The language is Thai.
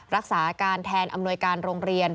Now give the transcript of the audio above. รักษาการแทนอำนวยการโรงเรียน